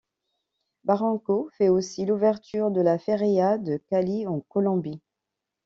Barranco fait aussi l’ouverture de la Feria de Cali en Colombie.